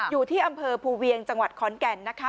อยู่ที่อำเภอภูเวียงจังหวัดขอนแก่นนะคะ